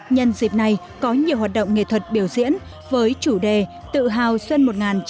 nhân dịp này có nhiều hoạt động nghệ thuật biểu diễn với chủ đề tự hào xuân một nghìn chín trăm bảy mươi năm